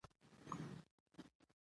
چې د وزارت امنیت لومړی معاون ؤ